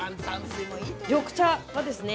緑茶はですね